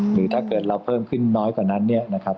หรือถ้าเกิดเราเพิ่มขึ้นน้อยกว่านั้น